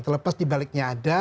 terlepas dibaliknya ada